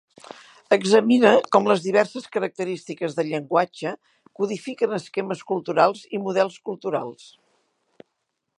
Examina com les diverses característiques del llenguatge codifiquen esquemes culturals i models culturals.